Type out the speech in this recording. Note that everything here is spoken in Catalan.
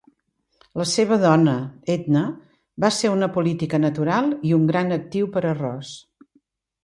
La se va dona, Edna, va ser una política natural i un gran actiu per a Ross.